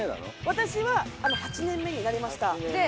私は８年目になりましたで